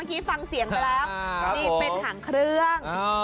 นี่เป็นหางเครื่อง